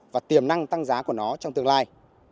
và tiềm năng tăng giá của nó trong tương lai